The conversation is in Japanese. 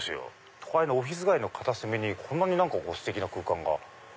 都会のオフィス街の片隅にこんなにステキな空間が。